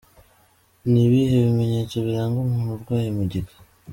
Ni ibihe bimenyetso biranga umuntu urwaye mugiga?.